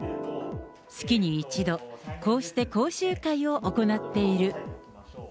月に１度、こうして講習会を行っている。